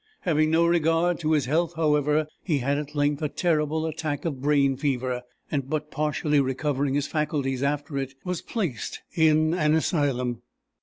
Having no regard to his health, however, he had at length a terrible attack of brain fever, and but partially recovering his faculties after it, was placed in an asylum.